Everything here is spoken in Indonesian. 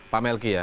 pak melki ya